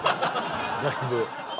だいぶ。